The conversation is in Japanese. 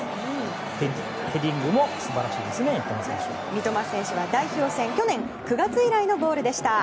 三笘選手は代表戦９月以来のゴールでした。